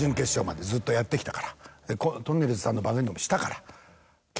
とんねるずさんの番組でもしたから。